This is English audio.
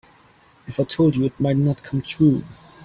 If I told you it might not come true.